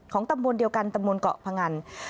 ตำบลเดียวกันตำบลเกาะพงัน